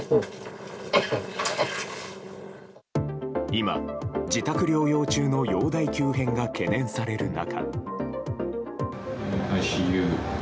今、自宅療養中の容体急変が懸念される中。